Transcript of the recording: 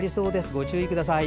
ご注意ください。